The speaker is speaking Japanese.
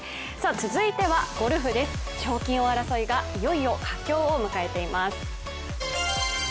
続いては、ゴルフです、賞金王争いが、いよいよ佳境を迎えています。